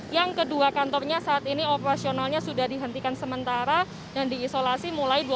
yang kedua kantornya saat ini operasionalnya sudah dihentikan sementara dan diisolasi mulai dua puluh